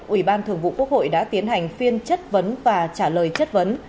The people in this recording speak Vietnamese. ủy ban thường vụ quốc hội đã tiến hành phiên chất vấn và trả lời chất vấn